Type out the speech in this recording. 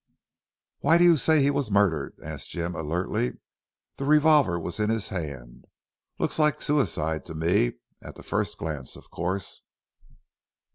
"Why do you say he was murdered?" asked Jim alertly. "The revolver was in his hand. Looks like suicide to me, at the first glance of course."